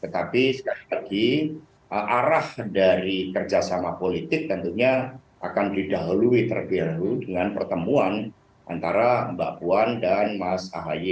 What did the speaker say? tetapi sekali lagi arah dari kerjasama politik tentunya akan didahului terbiru dengan pertemuan antara mbak puan dan mas ahaye